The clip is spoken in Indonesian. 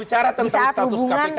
di saat hubungan